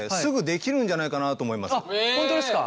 本当ですか。